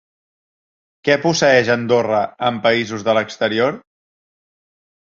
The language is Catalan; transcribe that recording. Què posseeix Andorra en països de l'exterior?